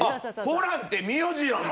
ホランって名字なの！？